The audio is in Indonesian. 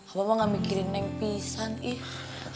abah mah gak mikirin neng pisah nih